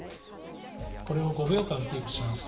これを５秒間キープします。